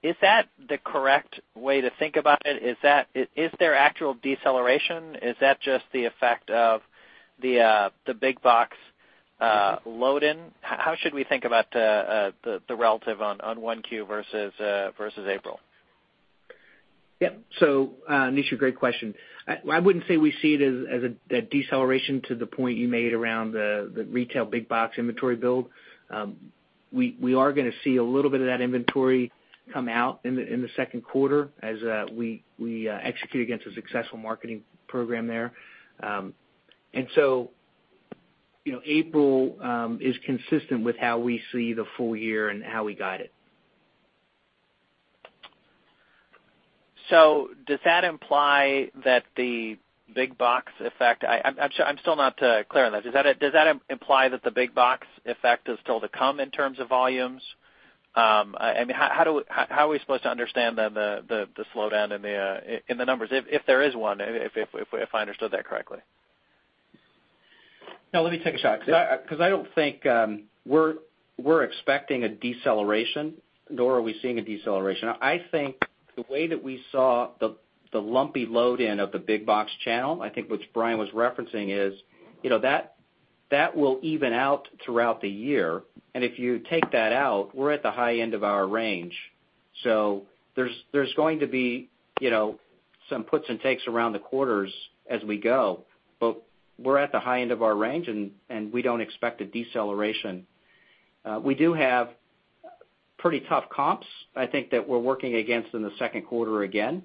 Is that the correct way to think about it? Is there actual deceleration? Is that just the effect of the big box load in? How should we think about the relative on 1Q versus April? Yep. Nishu, great question. I wouldn't say we see it as a deceleration to the point you made around the retail big box inventory build. We are going to see a little bit of that inventory come out in the second quarter as we execute against a successful marketing program there. April is consistent with how we see the full year and how we guide it. Does that imply that the big box effect? I'm still not clear on that. Does that imply that the big box effect is still to come in terms of volumes? How are we supposed to understand then the slowdown in the numbers, if there is one, if I understood that correctly? No, let me take a shot because I don't think we're expecting a deceleration, nor are we seeing a deceleration. I think the way that we saw the lumpy load in of the big box channel, I think what Brian was referencing is that will even out throughout the year. If you take that out, we're at the high end of our range. There's going to be some puts and takes around the quarters as we go. We're at the high end of our range, and we don't expect a deceleration. We do have pretty tough comps, I think, that we're working against in the second quarter again.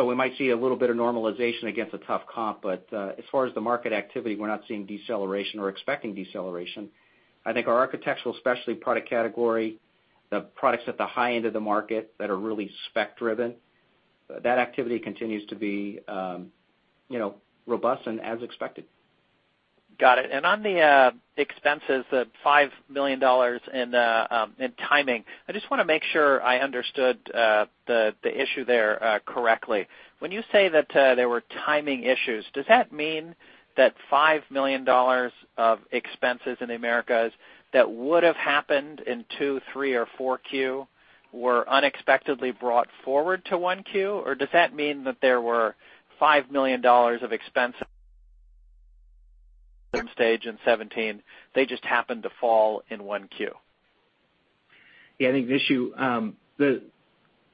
We might see a little bit of normalization against a tough comp, but, as far as the market activity, we're not seeing deceleration or expecting deceleration. I think our Architectural Specialties product category, the products at the high end of the market that are really spec-driven, that activity continues to be robust and as expected. Got it. On the expenses, the $5 million in timing, I just want to make sure I understood the issue there correctly. When you say that there were timing issues, does that mean that $5 million of expenses in the Americas that would have happened in 2, 3, or 4 Q were unexpectedly brought forward to 1 Q? Or does that mean that there were $5 million of expense stage in 2017, they just happened to fall in 1 Q? Yeah, I think the issue, the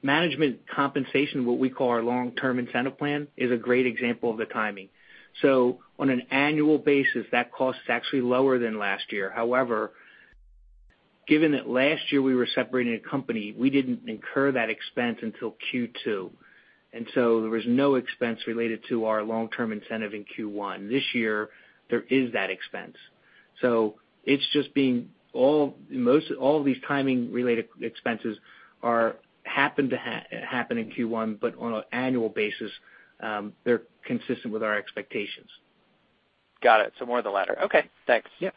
management compensation, what we call our long-term incentive plan, is a great example of the timing. On an annual basis, that cost is actually lower than last year. However, given that last year we were separating a company, we didn't incur that expense until Q2. There was no expense related to our long-term incentive in Q1. This year, there is that expense. It's just being all of these timing related expenses happened in Q1, but on an annual basis, they're consistent with our expectations. Got it. More of the latter. Okay, thanks. Yep.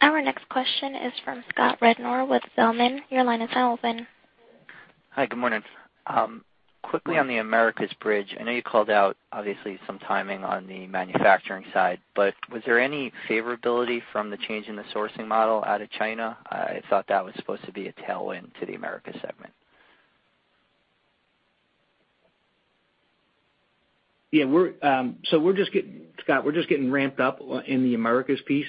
Our next question is from Scott Rednor with Zelman & Associates. Your line is now open. Hi, good morning. Quickly on the Americas bridge, I know you called out obviously some timing on the manufacturing side, was there any favorability from the change in the sourcing model out of China? I thought that was supposed to be a tailwind to the Americas segment. Yeah, Scott, we're just getting ramped up in the Americas piece.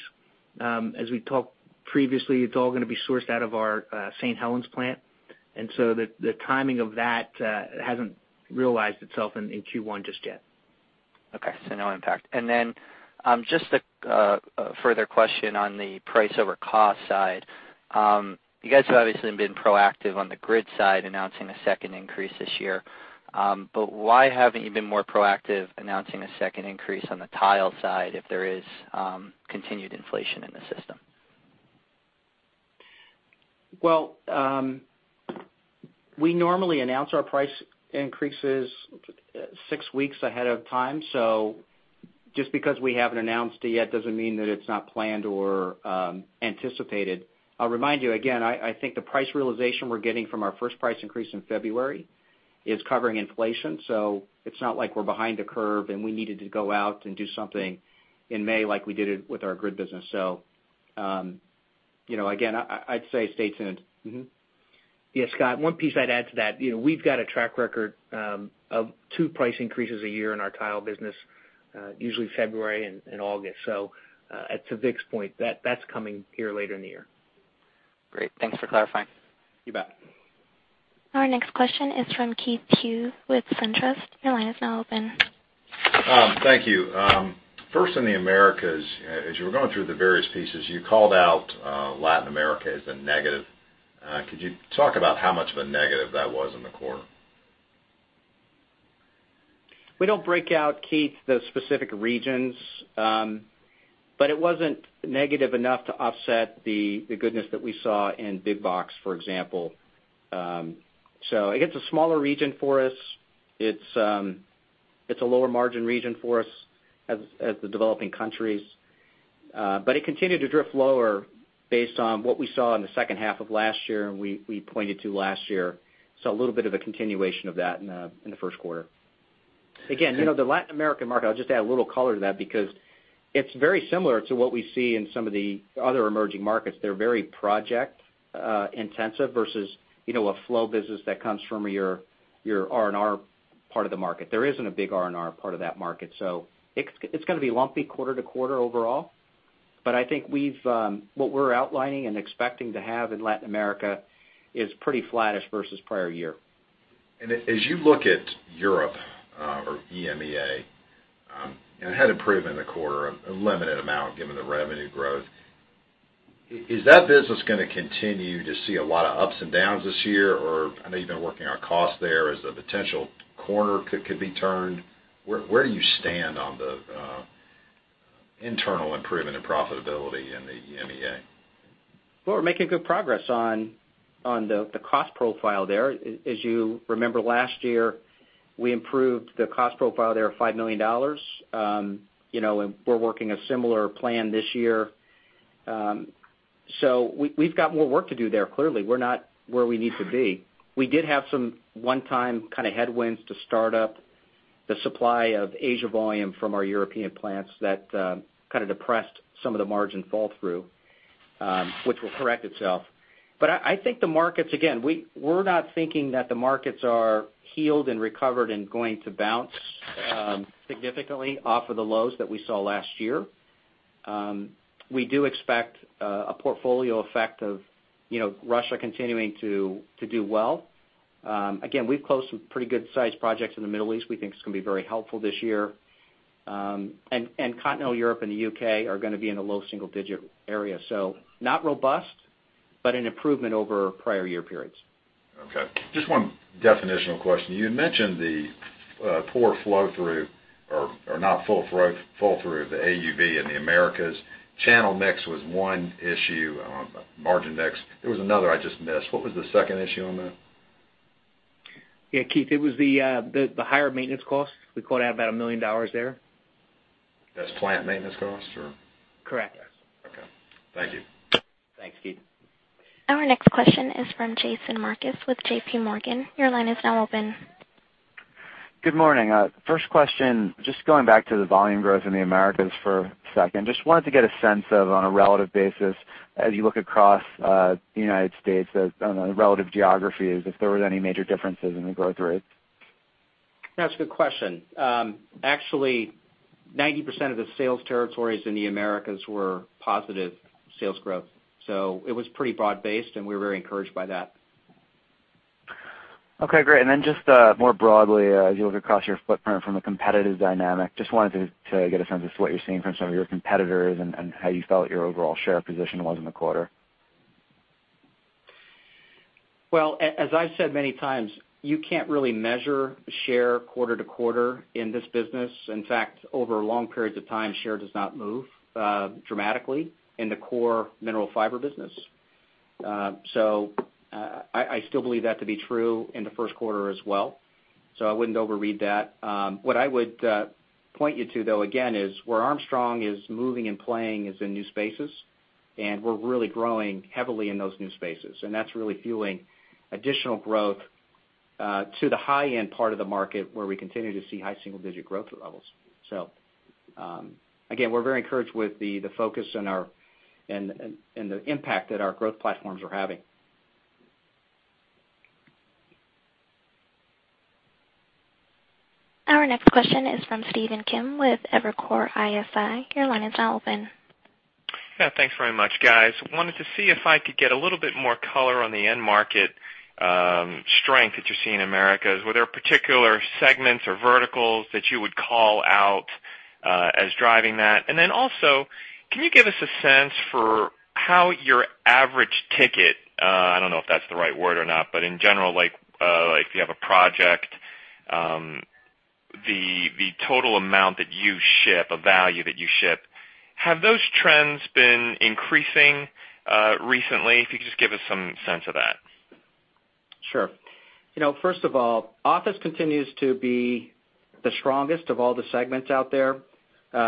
As we talked previously, it's all going to be sourced out of our St. Helens plant, the timing of that hasn't realized itself in Q1 just yet. Okay, so no impact. Just a further question on the price over cost side. You guys have obviously been proactive on the grid side, announcing a second increase this year. Why haven't you been more proactive announcing a second increase on the tile side if there is continued inflation in the system? Well, we normally announce our price increases six weeks ahead of time. Just because we haven't announced it yet doesn't mean that it's not planned or anticipated. I'll remind you again, I think the price realization we're getting from our first price increase in February is covering inflation. It's not like we're behind a curve and we needed to go out and do something in May like we did it with our grid business. Again, I'd say stay tuned. Yeah, Scott, one piece I'd add to that, we've got a track record of two price increases a year in our tile business, usually February and August. To Vic's point, that's coming here later in the year. Great. Thanks for clarifying. You bet. Our next question is from Keith Hughes with SunTrust. Your line is now open. Thank you. First in the Americas, as you were going through the various pieces, you called out Latin America as a negative. Could you talk about how much of a negative that was in the quarter? We don't break out, Keith, the specific regions, it wasn't negative enough to offset the goodness that we saw in big box, for example. I think it's a smaller region for us. It's a lower margin region for us, as the developing countries. It continued to drift lower based on what we saw in the second half of last year and we pointed to last year. A little bit of a continuation of that in the first quarter. Again, the Latin American market, I'll just add a little color to that because it's very similar to what we see in some of the other emerging markets. They're very project intensive versus a flow business that comes from your R&R part of the market. There isn't a big R&R part of that market. It's going to be lumpy quarter to quarter overall, but I think what we're outlining and expecting to have in Latin America is pretty flattish versus prior year. As you look at Europe, or EMEA, it had improved in the quarter a limited amount given the revenue growth, is that business going to continue to see a lot of ups and downs this year? I know you've been working on cost there, is the potential corner could be turned. Where do you stand on the internal improvement and profitability in the EMEA? We're making good progress on the cost profile there. As you remember, last year, we improved the cost profile there of $5 million, we're working a similar plan this year. We've got more work to do there. Clearly, we're not where we need to be. We did have some one-time kind of headwinds to start up the supply of Asia volume from our European plants that kind of depressed some of the margin fall through, which will correct itself. I think the markets, again, we're not thinking that the markets are healed and recovered and going to bounce significantly off of the lows that we saw last year. We do expect a portfolio effect of Russia continuing to do well. Again, we've closed some pretty good-sized projects in the Middle East we think is going to be very helpful this year. Continental Europe and the U.K. are going to be in a low single-digit area. Not robust, but an improvement over prior year periods. Just one definitional question. You had mentioned the poor flow-through, or not flow-through of the AUV in the Americas. Channel mix was one issue, margin mix. There was another I just missed. What was the second issue on that? Yeah, Keith, it was the higher maintenance cost. We called out about $1 million there. That's plant maintenance cost, or? Correct. Okay. Thank you. Thanks, Keith. Our next question is from Jason Marcus with JPMorgan. Your line is now open. Good morning. First question, just going back to the volume growth in the Americas for a second. Just wanted to get a sense of, on a relative basis, as you look across the United States on the relative geographies, if there was any major differences in the growth rates. That's a good question. Actually, 90% of the sales territories in the Americas were positive sales growth, so it was pretty broad-based, and we're very encouraged by that. Okay, great. Just more broadly, as you look across your footprint from a competitive dynamic, just wanted to get a sense of what you're seeing from some of your competitors and how you felt your overall share position was in the quarter. Well, as I've said many times, you can't really measure share quarter to quarter in this business. In fact, over long periods of time, share does not move dramatically in the core Mineral Fiber business. I still believe that to be true in the first quarter as well, so I wouldn't overread that. What I would point you to, though, again, is where Armstrong is moving and playing is in new spaces, and we're really growing heavily in those new spaces, and that's really fueling additional growth to the high-end part of the market where we continue to see high single-digit growth levels. Again, we're very encouraged with the focus and the impact that our growth platforms are having. Our next question is from Stephen Kim with Evercore ISI. Your line is now open. Thanks very much, guys. I wanted to see if I could get a little bit more color on the end market strength that you're seeing in Americas. Were there particular segments or verticals that you would call out as driving that? Can you give us a sense for how your average ticket, I don't know if that's the right word or not, but in general, if you have a project, the total amount that you ship, a value that you ship, have those trends been increasing recently? If you could just give us some sense of that. Sure. First of all, office continues to be the strongest of all the segments out there.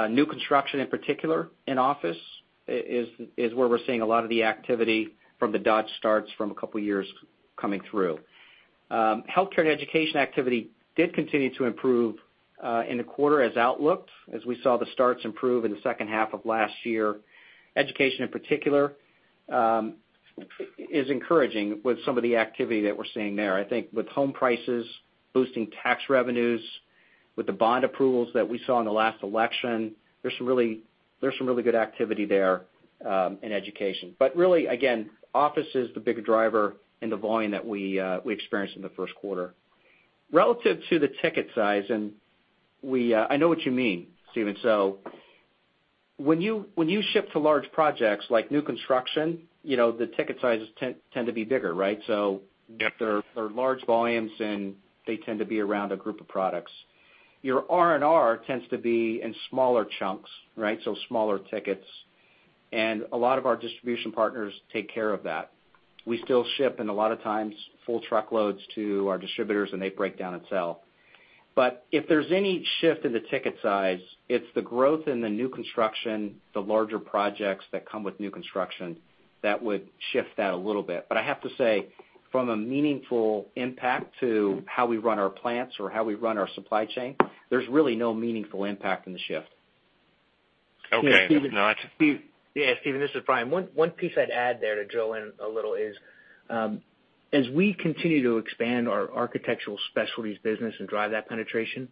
New construction, in particular, in office is where we're seeing a lot of the activity from the Dodge starts from a two years coming through. Healthcare and education activity did continue to improve in the quarter as outlooked, as we saw the starts improve in the second half of last year. Education, in particular, is encouraging with some of the activity that we're seeing there. I think with home prices boosting tax revenues, with the bond approvals that we saw in the last election, there's some really good activity there in education. Really, again, office is the big driver in the volume that we experienced in the first quarter. Relative to the ticket size, and I know what you mean, Stephen. When you ship to large projects like new construction, the ticket sizes tend to be bigger, right? Yep. They're large volumes, and they tend to be around a group of products. Your R&R tends to be in smaller chunks, right? Smaller tickets. A lot of our distribution partners take care of that. We still ship and a lot of times full truckloads to our distributors, and they break down and sell. If there's any shift in the ticket size, it's the growth in the new construction, the larger projects that come with new construction, that would shift that a little bit. I have to say, from a meaningful impact to how we run our plants or how we run our supply chain, there's really no meaningful impact in the shift. Okay. Yeah, Stephen. Yeah, Stephen, this is Brian. One piece I'd add there to drill in a little is, as we continue to expand our Architectural Specialties business and drive that penetration,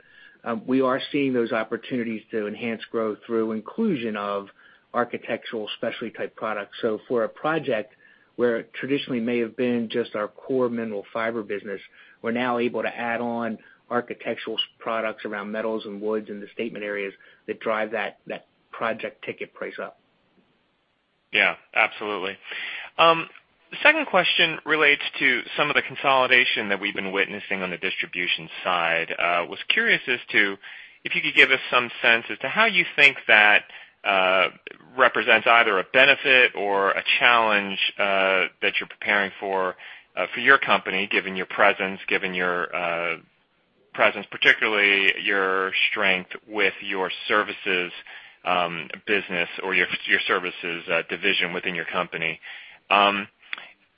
we are seeing those opportunities to enhance growth through inclusion of architectural specialty type products. For a project where it traditionally may have been just our core Mineral Fiber business, we're now able to add on architectural products around metals and woods in the statement areas that drive that project ticket price up. Yeah, absolutely. The second question relates to some of the consolidation that we've been witnessing on the distribution side. Was curious as to if you could give us some sense as to how you think that represents either a benefit or a challenge that you're preparing for your company, given your presence, particularly your strength with your services business or your services division within your company.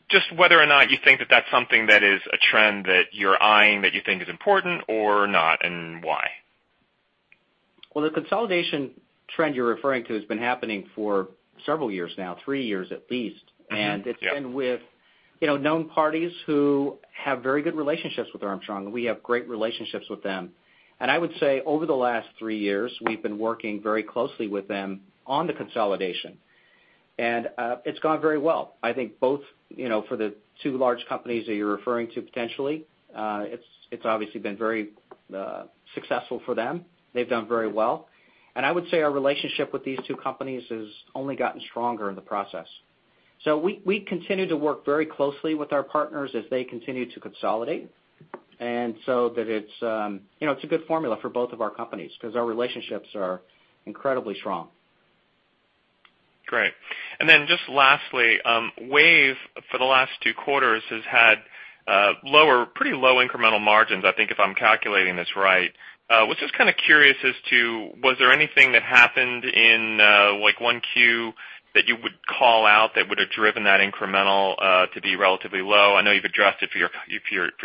Just whether or not you think that that's something that is a trend that you're eyeing that you think is important or not, and why. Well, the consolidation trend you're referring to has been happening for several years now, three years at least. Mm-hmm. Yep. Known parties who have very good relationships with Armstrong. We have great relationships with them. I would say over the last three years, we've been working very closely with them on the consolidation, and it's gone very well. I think both for the two large companies that you're referring to potentially, it's obviously been very successful for them. They've done very well. I would say our relationship with these two companies has only gotten stronger in the process. We continue to work very closely with our partners as they continue to consolidate. It's a good formula for both of our companies because our relationships are incredibly strong. Great. Just lastly, Wave, for the last two quarters, has had pretty low incremental margins, I think, if I'm calculating this right. Was just kind of curious as to, was there anything that happened in 1Q that you would call out that would've driven that incremental to be relatively low? I know you've addressed it for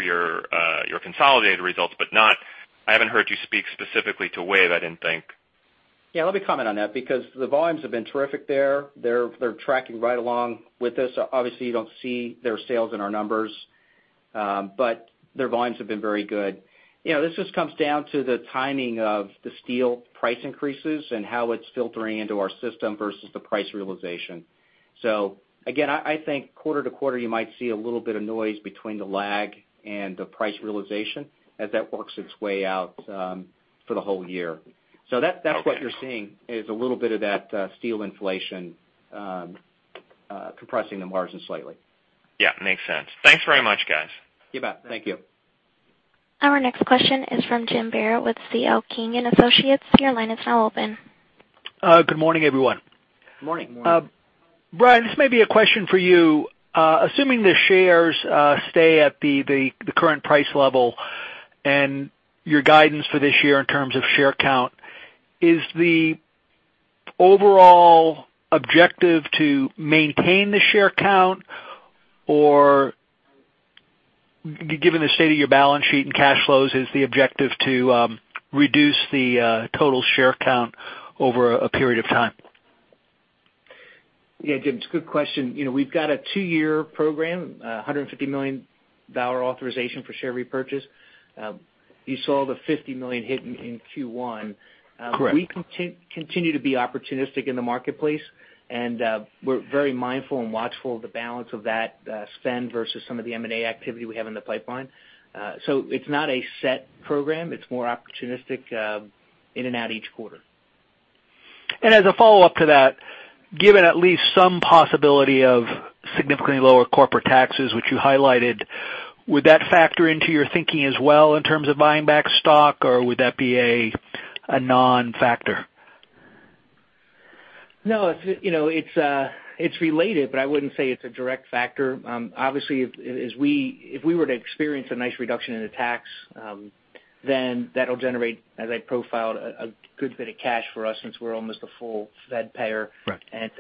your consolidated results, but I haven't heard you speak specifically to Wave, I didn't think. Yeah, let me comment on that because the volumes have been terrific there. They're tracking right along with this. Obviously, you don't see their sales in our numbers. Their volumes have been very good. This just comes down to the timing of the steel price increases and how it's filtering into our system versus the price realization. Again, I think quarter to quarter, you might see a little bit of noise between the lag and the price realization as that works its way out for the whole year. Okay. That's what you're seeing, is a little bit of that steel inflation compressing the margins slightly. Yeah, makes sense. Thanks very much, guys. You bet. Thank you. Our next question is from Jim Baer with C.L. King & Associates. Your line is now open. Good morning, everyone. Morning. Brian, this may be a question for you. Assuming the shares stay at the current price level and your guidance for this year in terms of share count, is the overall objective to maintain the share count? Or given the state of your balance sheet and cash flows, is the objective to reduce the total share count over a period of time? Jim, it's a good question. We've got a two-year program, $150 million authorization for share repurchase. You saw the $50 million hit in Q1. Correct. We continue to be opportunistic in the marketplace, we're very mindful and watchful of the balance of that spend versus some of the M&A activity we have in the pipeline. It's not a set program. It's more opportunistic, in and out each quarter. As a follow-up to that, given at least some possibility of significantly lower corporate taxes, which you highlighted, would that factor into your thinking as well in terms of buying back stock, or would that be a non-factor? No, it's related, but I wouldn't say it's a direct factor. Obviously, if we were to experience a nice reduction in the tax, then that'll generate, as I profiled, a good bit of cash for us since we're almost a full fed payer. Right.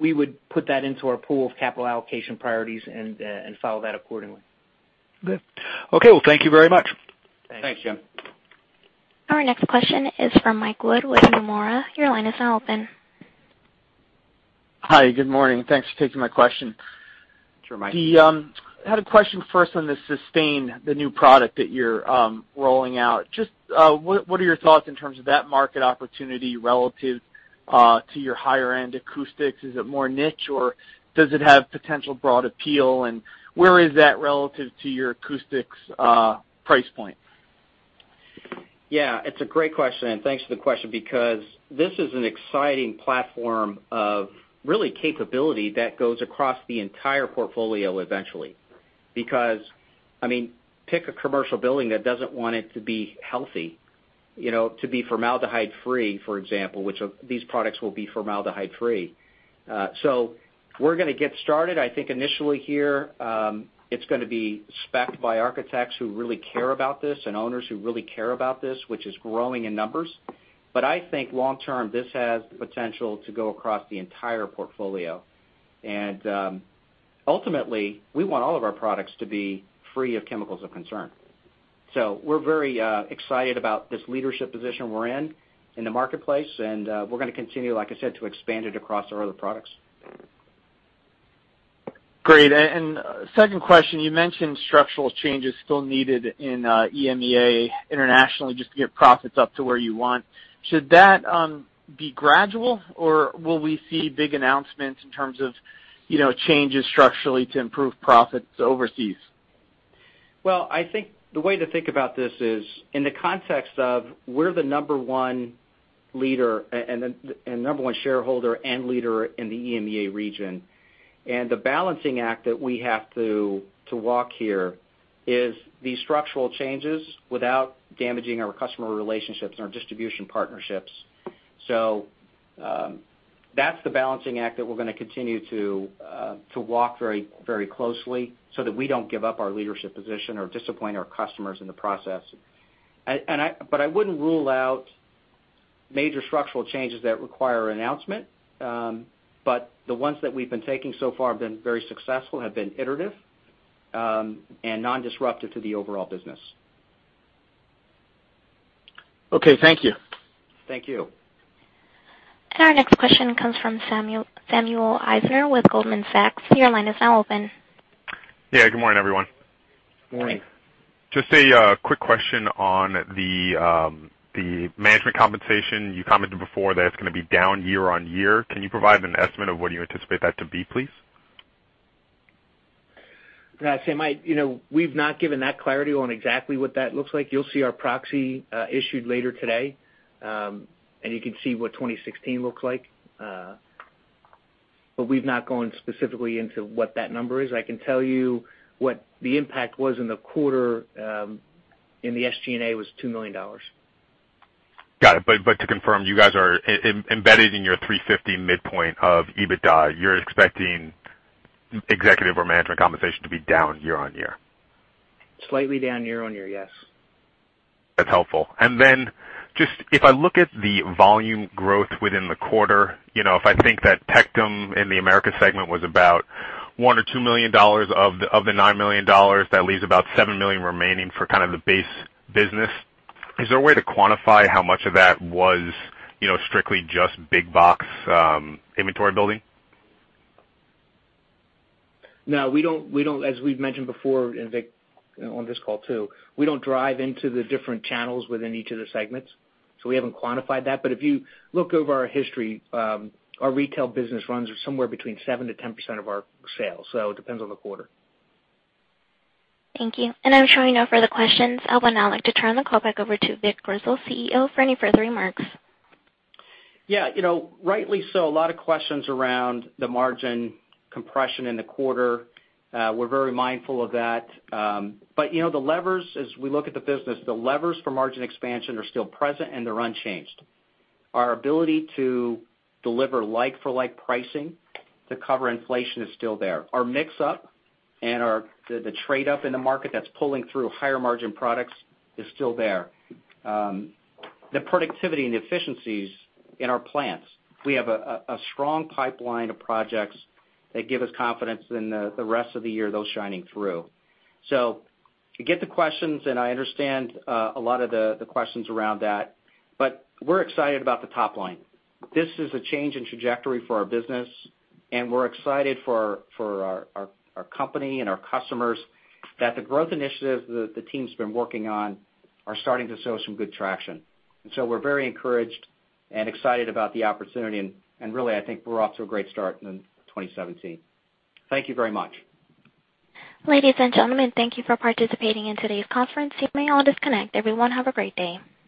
We would put that into our pool of capital allocation priorities and follow that accordingly. Good. Okay. Well, thank you very much. Thanks, Jim. Our next question is from Michael Wood with Nomura. Your line is now open. Hi, good morning. Thanks for taking my question. Sure, Mike. I had a question first on the Sustain, the new product that you're rolling out. Just what are your thoughts in terms of that market opportunity relative to your higher-end acoustics? Is it more niche, or does it have potential broad appeal? Where is that relative to your acoustics price point? Yeah, it's a great question, and thanks for the question because this is an exciting platform of really capability that goes across the entire portfolio eventually. Pick a commercial building that doesn't want it to be healthy, to be formaldehyde-free, for example, which these products will be formaldehyde-free. We're going to get started. I think initially here, it's going to be spec'd by architects who really care about this and owners who really care about this, which is growing in numbers. I think long term, this has the potential to go across the entire portfolio. Ultimately, we want all of our products to be free of chemicals of concern. We're very excited about this leadership position we're in in the marketplace, and we're going to continue, like I said, to expand it across our other products. Second question, you mentioned structural changes still needed in EMEA internationally just to get profits up to where you want. Should that be gradual, or will we see big announcements in terms of changes structurally to improve profits overseas? Well, I think the way to think about this is in the context of we're the number one shareholder and leader in the EMEA region. The balancing act that we have to walk here is these structural changes without damaging our customer relationships and our distribution partnerships. That's the balancing act that we're going to continue to walk very closely so that we don't give up our leadership position or disappoint our customers in the process. I wouldn't rule out major structural changes that require announcement. The ones that we've been taking so far have been very successful, have been iterative, and non-disruptive to the overall business. Okay, thank you. Thank you. Our next question comes from Samuel Eisner with Goldman Sachs. Your line is now open. Yeah. Good morning, everyone. Morning. Just a quick question on the management compensation. You commented before that it's going to be down year-over-year. Can you provide an estimate of what you anticipate that to be, please? Sam, we've not given that clarity on exactly what that looks like. You'll see our proxy issued later today, and you can see what 2016 looks like. We've not gone specifically into what that number is. I can tell you what the impact was in the quarter, in the SG&A was $2 million. Got it. To confirm, you guys are embedded in your $350 midpoint of EBITDA. You're expecting executive or management compensation to be down year-on-year. Slightly down year-on-year, yes. That's helpful. Just if I look at the volume growth within the quarter, if I think that Tectum in the Americas segment was about $1 million or $2 million of the $9 million, that leaves about $7 million remaining for kind of the base business. Is there a way to quantify how much of that was strictly just big box inventory building? No, as we've mentioned before, and Vic on this call, too, we don't drive into the different channels within each of the segments, we haven't quantified that. If you look over our history, our retail business runs somewhere between 7%-10% of our sales. It depends on the quarter. Thank you. I'm showing no further questions. I would now like to turn the call back over to Vic Grizzle, CEO, for any further remarks. Yeah. Rightly so, a lot of questions around the margin compression in the quarter. We're very mindful of that. As we look at the business, the levers for margin expansion are still present, and they're unchanged. Our ability to deliver like-for-like pricing to cover inflation is still there. Our mix-up and the trade up in the market that's pulling through higher margin products is still there. The productivity and the efficiencies in our plants, we have a strong pipeline of projects that give us confidence in the rest of the year, those shining through. I get the questions, and I understand a lot of the questions around that. We're excited about the top line. This is a change in trajectory for our business, and we're excited for our company and our customers that the growth initiatives that the team's been working on are starting to show some good traction. We're very encouraged and excited about the opportunity, and really, I think we're off to a great start in 2017. Thank you very much. Ladies and gentlemen, thank you for participating in today's conference. You may all disconnect. Everyone, have a great day.